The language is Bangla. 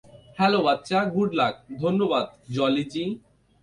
হ্যাঁলো, বাচ্চা, গুড লাক, - ধন্যবাদ, জলি জি।